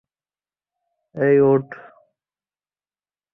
এই, ওঠ।